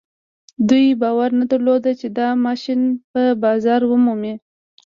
دوی باور نه درلود چې دا ماشين به بازار ومومي.